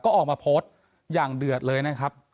ก็ออกมาโพสต์อย่างเดือดเลยนะครับ